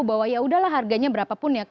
bahwa yaudahlah harganya berapapun